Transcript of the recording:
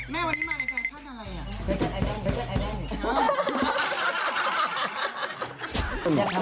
แม่วันนี้มาในแฟชั่นอะไรอ่ะ